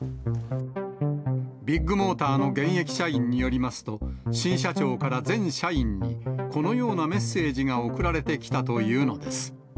ビッグモーターの現役社員によりますと、新社長から全社員に、このようなメッセージが送られてきたというのです。